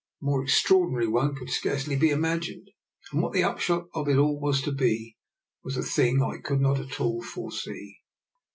A more extraordinary one could scarcely be imagined, and what the upshot of it all was to be was a thing I could not at all foresee.